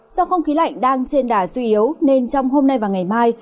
do không khí lạnh đang trên đà suy yếu nên trong hôm nay và ngày mai